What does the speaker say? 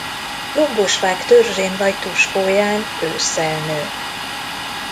Lombos fák törzsén vagy tuskóján ősszel nő.